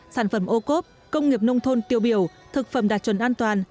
sản phẩm ô cốp công nghiệp nông thôn tiêu biểu thực phẩm đạt chuẩn an toàn